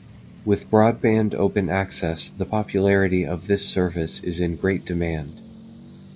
With broadband open access, the popularity of this service is in great demand.